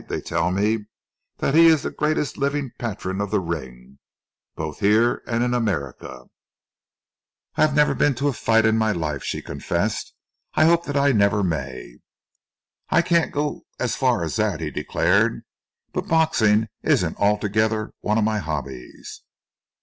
"They tell me that he is the greatest living patron of the ring, both here and in America." "I have never been to a fight in my life," she confessed. "I hope that I never may." "I can't go so far as that," he declared, "but boxing isn't altogether one of my hobbies.